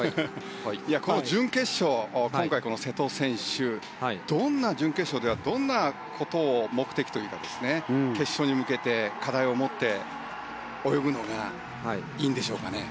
この準決勝、今回瀬戸選手はどんなことを目的というか決勝に向けて、課題を持って泳ぐのがいいんでしょうかね？